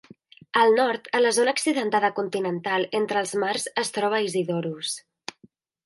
Al nord, a la zona accidentada continental entre els mars es troba Isidorus.